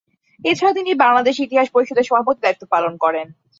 এছাড়া তিনি বাংলাদেশ ইতিহাস পরিষদের সভাপতির দায়িত্ব পালন করেন।